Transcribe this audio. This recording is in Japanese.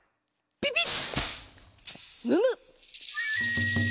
ピピッ！